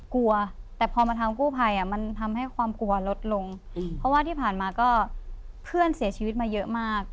กลัวแต่พอมาทางกู้ภัยมันทำให้ความกลัวลดลงเพราะว่าที่ผ่านมาก็เพื่อนเสียชีวิตมาเยอะมาก